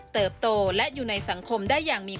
เติบโตและอยู่ในสังคมได้อย่างมี